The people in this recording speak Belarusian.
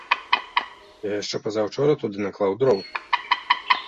Я яшчэ пазаўчора туды наклаў дроў.